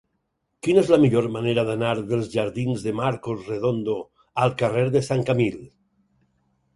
Quina és la millor manera d'anar dels jardins de Marcos Redondo al carrer de Sant Camil?